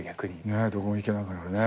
どこも行けないからね。